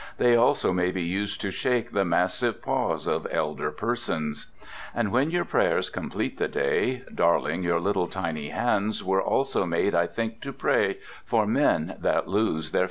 They also may be used to shake The Massive Paws of Elder Persons. And when your prayers complete the day, Darling, your little tiny hands Were also made, I think, to pray For men that lose their fairylands.